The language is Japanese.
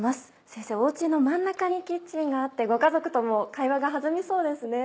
先生お家の真ん中にキッチンがあってご家族とも会話が弾みそうですね。